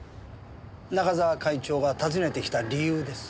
中沢会長が訪ねてきた理由です。